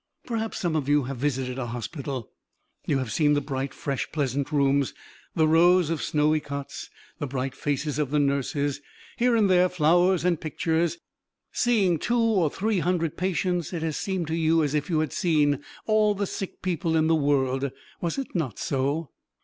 Perhaps some of you have visited a hospital. You have seen the bright, fresh, pleasant rooms, the rows of snowy cots, the bright faces of the nurses, here and there flowers and pictures; seeing two or three hundred patients, it has seemed to you as if you had seen all the sick people in the world. Was it not so?